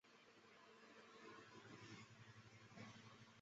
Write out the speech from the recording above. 蒋斯千父名蒋祈增生于清朝乾隆四十八年。